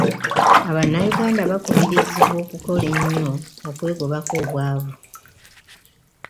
Abannayuganda bakubirizibwa okukola ennyo, okwegobako obwavu .